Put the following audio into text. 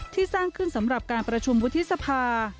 สร้างขึ้นสำหรับการประชุมวุฒิสภา